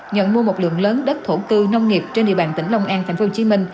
nhận mua một lượng lớn đất thổ tư nông nghiệp trên địa bàn tỉnh long an tp hcm